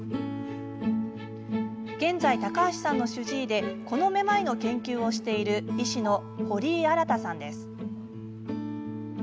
現在、高橋さんの主治医でこのめまいの研究をしている医師の堀井新さんです。